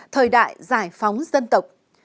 thời đại giải phóng dân tộc